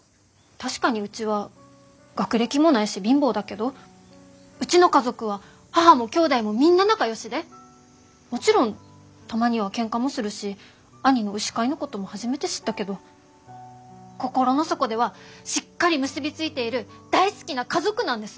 確かにうちは学歴もないし貧乏だけどうちの家族は母もきょうだいもみんな仲よしでもちろんたまにはケンカもするし兄の牛飼いのことも初めて知ったけど心の底ではしっかり結び付いている大好きな家族なんです！